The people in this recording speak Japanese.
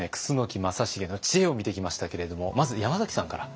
楠木正成の知恵を見てきましたけれどもまず山崎さんから。